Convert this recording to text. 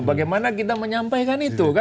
bagaimana kita menyampaikan itu